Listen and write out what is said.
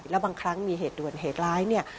และบางครั้งมีเหตุด่วนเหตุร้าย